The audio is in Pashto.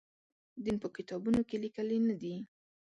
دین په کتابونو کې لیکلي نه دی.